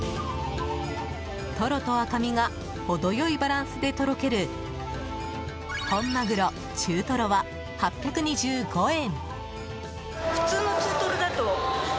トロと赤身が程良いバランスでとろける本マグロ、中トロは８２５円。